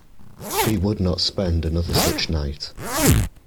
We would not spend another such night.